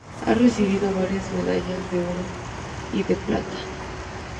Ha recibido varias medallas de oro y de plata.